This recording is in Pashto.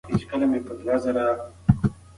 دا لس کيلو ګرامه خالص سره زر دي چې ما راوړي دي.